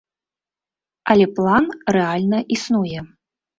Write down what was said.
Але план рэальна існуе.